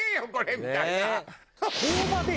みたいな。